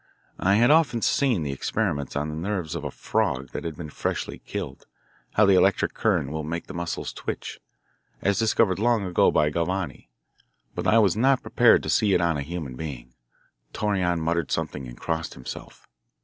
I had often seen the experiments on the nerves of a frog that had been freshly killed, how the electric current will make the muscles twitch, as discovered long ago by Galvani. But I was not prepared to see it on a human being. Torreon muttered something and crossed himself.